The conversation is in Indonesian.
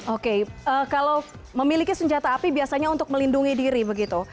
oke kalau memiliki senjata api biasanya untuk melindungi diri begitu